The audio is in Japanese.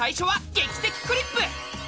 「劇的クリップ」！